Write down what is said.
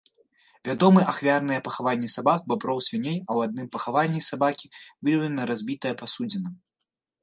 Вядомы ахвярныя пахаванні сабак, баброў, свіней, а ў адным пахаванні сабакі выяўлена разбітая пасудзіна.